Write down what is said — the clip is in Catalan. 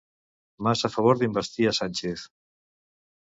Mas a favor d'investir a Sánchez